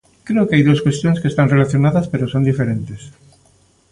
Creo que hai dúas cuestións que están relacionadas pero son diferentes.